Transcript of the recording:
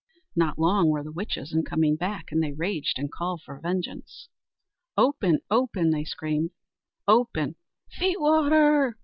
Not long were the witches in coming back, and they raged and called for vengeance. "Open! open!" they screamed; "open, feet water!"